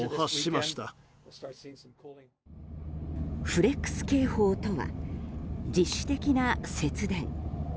フレックス警報とは自主的な節電。